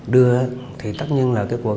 đưa thì tất nhiên là cái quần